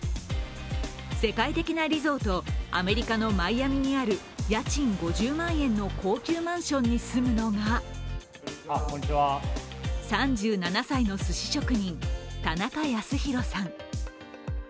世界的なリゾート、アメリカのマイアミにある家賃５０万円の高級マンションに住むのが３７歳のすし職人、田中康博さん。